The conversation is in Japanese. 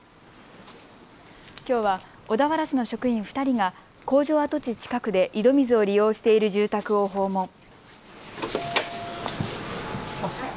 きょうは小田原市の職員２人が工場跡地近くで井戸水を利用している住宅を訪問。